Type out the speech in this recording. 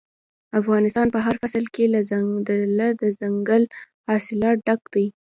افغانستان په هر فصل کې له دځنګل حاصلاتو ډک دی.